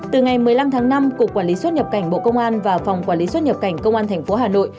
từ ngày một mươi năm tháng năm cục quản lý xuất nhập cảnh bộ công an và phòng quản lý xuất nhập cảnh công an tp hà nội